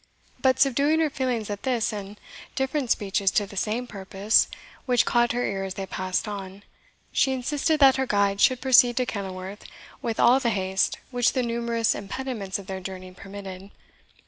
But, subduing her feelings at this and different speeches to the same purpose, which caught her ear as they passed on, she insisted that her guide should proceed to Kenilworth with all the haste which the numerous impediments of their journey permitted.